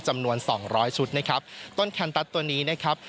จำนวนสองร้อยชุดนะครับต้นแคนตัสตัวนี้นะครับ